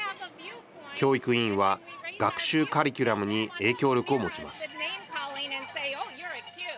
教育委員は、学習カリキュラムに影響力を持ちます。